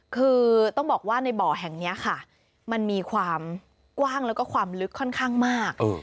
คือต้องบอกว่าในบ่อแห่งนี้ค่ะมันมีความกว้างแล้วก็ความลึกค่อนข้างมาก